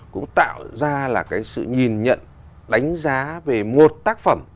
cũng tạo ra là cái sự nhìn nhận đánh giá về một tác phẩm